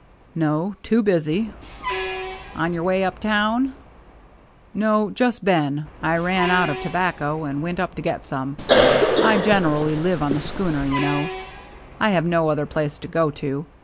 " No, too busy." " On your way up town ?" DRAWING TOGETHER 191 " No, just been. I ran out of tobacco and went up to get some. I generally live on the schooner, you know. I have no other place to go to.